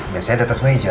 biasanya di atas meja